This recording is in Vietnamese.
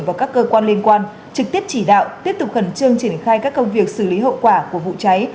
và các cơ quan liên quan trực tiếp chỉ đạo tiếp tục khẩn trương triển khai các công việc xử lý hậu quả của vụ cháy